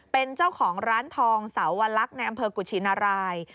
เป็นเจ้าของร้านทองสาวลักษณ์ในอำเภอกุชินราย